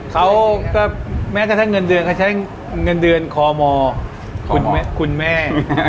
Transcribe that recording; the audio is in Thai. เขาก็แม้กระทั่งเงินเดือนเขาใช้เงินเดือนคมคุณแม่